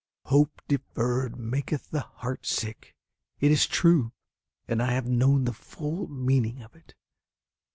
"Hope deferred maketh the heart sick." It is true, and I have known the full meaning of it.